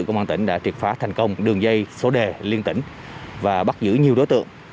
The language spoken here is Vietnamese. công an tỉnh đã triệt phá thành công đường dây số đề liên tỉnh và bắt giữ nhiều đối tượng